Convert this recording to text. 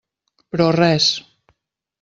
Però res.